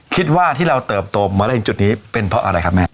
คิดว่าที่เราเติบโตมาถึงจุดนี้เป็นเพราะอะไรครับแม่